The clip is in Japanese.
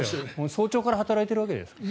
早朝から働いているわけですから。